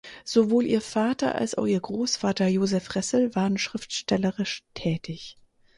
Sowohl ihr Vater als auch ihr Großvater Josef Ressel waren schriftstellerisch tätig.